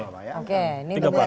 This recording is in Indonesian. oke ini tiga partai